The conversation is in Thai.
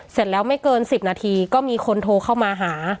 เสร็จแล้วไม่เกิน๑๐นาทีก็มีคนโทรเข้ามาหา